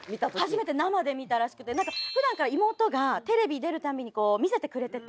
初めて生で見たらしくて普段から妹がテレビ出るたびに見せてくれてて。